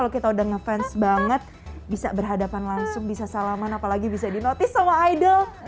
yang bisa dibilang gak ternilai ya tiffany apalagi kalau kita udah ngefans banget bisa berhadapan langsung bisa salaman apalagi bisa di notice sama idol